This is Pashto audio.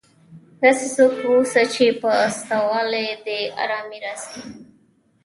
داسي څوک واوسه، چي په سته والي دي ارامي راسي.